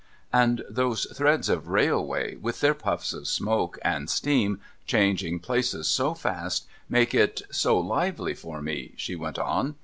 ' And those threads of raihvay, with their puffs of smoke and steam changing pLaces so fast, make it so lively for me,' she went on.